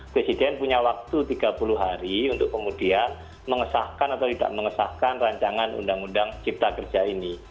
presiden punya waktu tiga puluh hari untuk kemudian mengesahkan atau tidak mengesahkan rancangan undang undang cipta kerja ini